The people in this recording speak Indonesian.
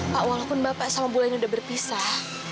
pak walaupun bapak sama bu lain udah berpisah